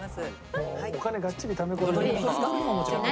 もうお金がっちりため込んで。